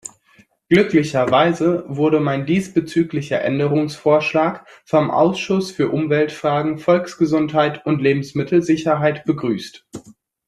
Glücklicherweise wurde mein diesbezüglicher Änderungsvorschlag vom Ausschuss für Umweltfragen, Volksgesundheit und Lebensmittelsicherheit begrüßt.